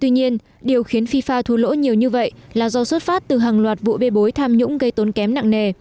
tuy nhiên điều khiến fifa thua lỗ nhiều như vậy là do xuất phát từ hàng loạt vụ bê bối tham nhũng gây tốn kém nặng nề